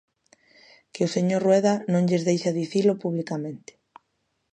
Que o señor Rueda non lles deixa dicilo publicamente.